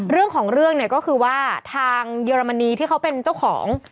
เรื่องของเรื่องเนี่ยก็คือว่าทางเยอรมนีที่เขาเป็นเจ้าของ